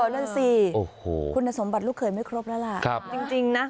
นั่นสิโอ้โหคุณสมบัติลูกเขยไม่ครบแล้วล่ะครับจริงจริงน่ะ